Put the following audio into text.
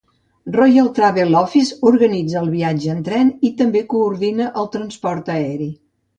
Royal Travel Office organitza el viatge en tren i també coordina el transport aeri.